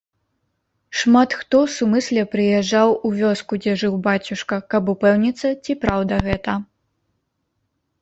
Шмат хто сумысля прыязджаў у вёску, дзе жыў бацюшка, каб упэўніцца, ці праўда гэта.